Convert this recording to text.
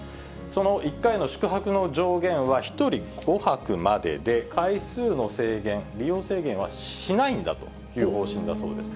その１回の宿泊の上限は、１人５泊までで、回数の制限、利用制限はしないんだという方針だそうです。